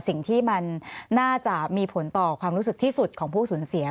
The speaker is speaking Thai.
สิ่งที่มันน่าจะมีผลต่อความรู้สึกที่สุดของผู้สูญเสีย